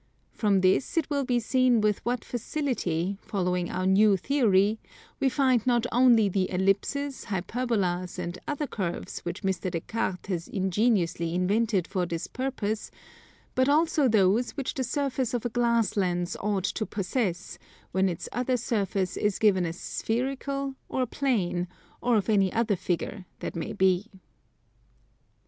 From this it will be seen with what facility, following our new Theory, we find not only the Ellipses, Hyperbolas, and other curves which Mr. Des Cartes has ingeniously invented for this purpose; but also those which the surface of a glass lens ought to possess when its other surface is given as spherical or plane, or of any other figure that may be.